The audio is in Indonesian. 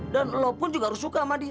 dan lo pun juga harus suka sama dia